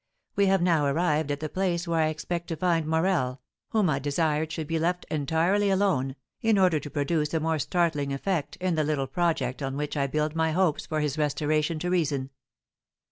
We have now arrived at the place where I expect to find Morel, whom I desired should be left entirely alone, in order to produce a more startling effect in the little project on which I build my hopes for his restoration to reason."